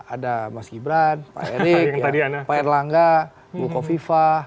ada mas gibran pak erik pak erlangga bukovipa